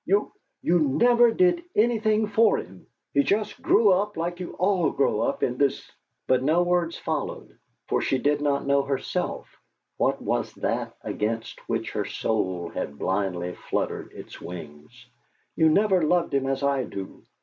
You you never did anything for him! He just grew up like you all grow up in this " But no word followed, for she did not know herself what was that against which her soul had blindly fluttered its wings. "You never loved him as I do!